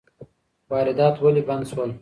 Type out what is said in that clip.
واردات ولي بند سول؟